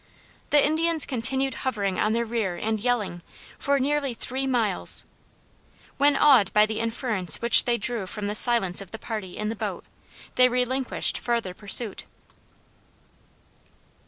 The Indians continued hovering on their rear and yelling, for nearly three miles, when awed by the inference which they drew from the silence of the party in the boat, they relinquished farther pursuit.